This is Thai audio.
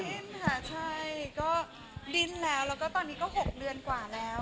ดิ้นค่ะใช่ก็ดิ้นแล้วแล้วก็ตอนนี้ก็๖เดือนกว่าแล้ว